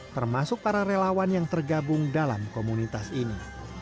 termasuk para relawan yang tergabung dalam komunitas ini